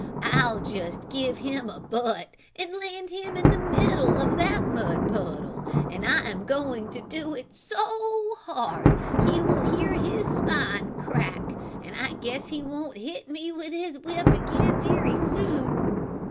I'll just give him a butt and land him in the middle of that mud puddle, and I am going to do it so hard he will hear his spine crack and I guess he won't hit me with his whip again very soon."